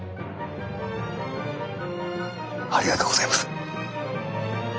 ありがとうございます。